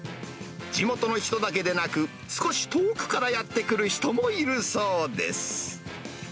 地元の人だけでなく、少し遠くからやって来る人もいるそうです。